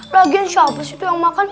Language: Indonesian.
lagian siapa sih tuh yang makan